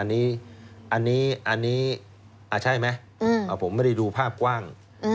อันนี้ใช่ไหมผมไม่ได้ดูภาพกว้าง